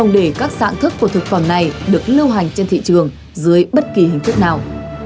để các dạng thức của thực phẩm này được lưu hành trên thị trường dưới bất kỳ hình thức nào